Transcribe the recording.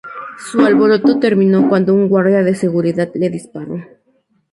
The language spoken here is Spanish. Su alboroto terminó cuando un guardia de seguridad le disparó.